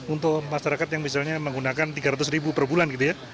untuk masyarakat yang misalnya menggunakan tiga ratus ribu per bulan gitu ya